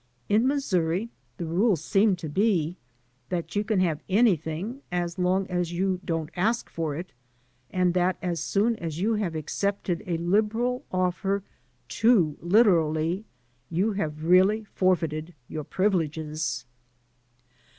In Missouri the rule seemed to be that you can have anything as long as you don't ask for it, and that as soon as you have accepted a liberal oflfer too literally you have really forfeited your privileges!